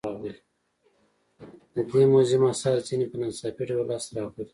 د دې موزیم اثار ځینې په ناڅاپي ډول لاس ته راغلي.